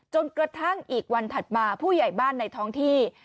จนกระทั่งอีกวันถัดมาผู้ใหญ่บ้านในท้องที่